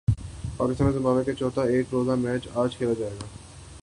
پاکستان اور زمبابوے میں چوتھا ایک روزہ میچ اج کھیلا جائے گا